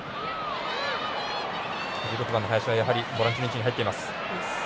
林はボランチの位置に入っています。